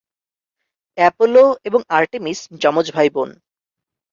Apollo এবং Artemis যমজ ভাইবোন।